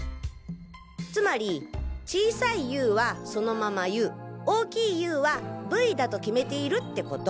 つまり小さい「ｕ」はそのまま「Ｕ」大きい「Ｕ」は「Ｖ」だと決めているってコト！